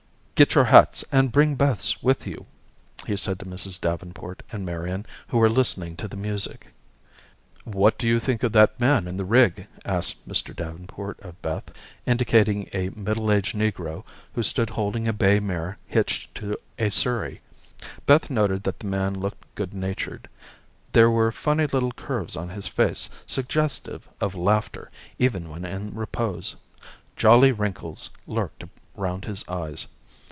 "Get your hats, and bring Beth's with you," he said to Mrs. Davenport and Marian who were listening to the music. "What do you think of that man and the rig?" asked Mr. Davenport of Beth, indicating a middle aged negro who stood holding a bay mare hitched to a surrey. Beth noted that the man looked good natured. There were funny little curves on his face suggestive of laughter even when in repose. Jolly wrinkles lurked around his eyes.